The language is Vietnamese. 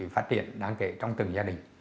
phát triển đáng kể trong từng gia đình